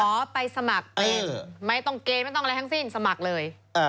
ไปสมัครเป็นไม่ต้องเกณฑ์ไม่ต้องอะไรทั้งสิ้นสมัครเลย